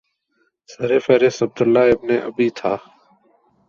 سر فہرست Abdullah ibn Ubayy تھا